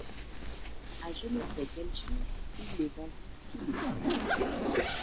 A je ne sais quel juif il le vendit six livres. .